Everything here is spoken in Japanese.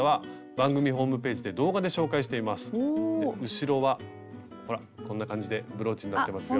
後ろはほらこんな感じでブローチになってますよ。